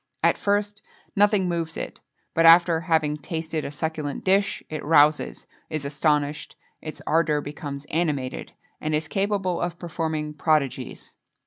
At first, nothing moves it but after having tasted a succulent dish, it rouses, is astonished, its ardour becomes animated, and is capable of performing prodigies.